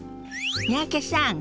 三宅さん